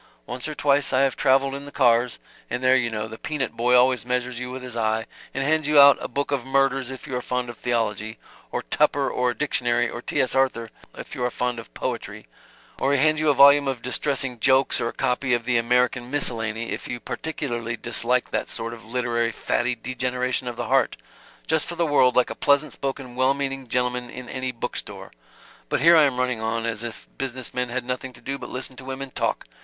Once or twice I have traveled in the cars and there you know, the peanut boy always measures you with his eye, and hands you out a book of murders if you are fond of theology; or Tupper or a dictionary or T. S. Arthur if you are fond of poetry; or he hands you a volume of distressing jokes or a copy of the American Miscellany if you particularly dislike that sort of literary fatty degeneration of the heart just for the world like a pleasant spoken well meaning gentleman in any bookstore. But here I am running on as if business men had nothing to do but listen to women talk.